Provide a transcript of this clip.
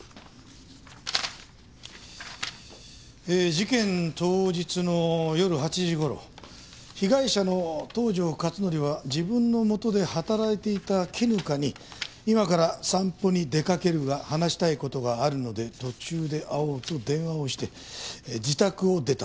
「事件当日の夜８時頃被害者の東条克典は自分のもとで働いていた絹香に“今から散歩に出かけるが話したい事があるので途中で会おう”と電話をして自宅を出た」